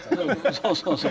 そうそうそう。